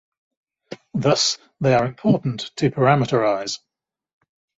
Thus, they are important to parameterize.